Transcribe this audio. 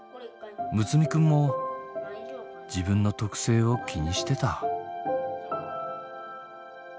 睦弥くんも自分の特性を気にしてた。